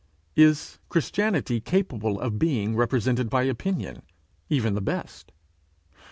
Is Christianity capable of being represented by opinion, even the best?